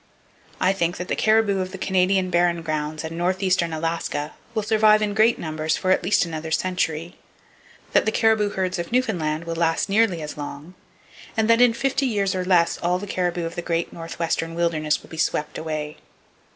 I think that the caribou of the Canadian Barren Grounds and northeastern Alaska will survive in great numbers for at least another century; that the caribou herds of Newfoundland will last nearly as long, and that in fifty years or less all the caribou of the great northwestern wilderness will be swept away.